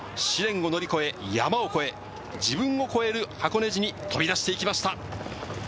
試練を乗り越え山を越え自分を越える箱根路に飛び出して行きました。